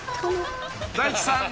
［大地さん。